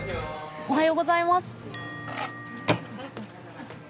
おはようございます。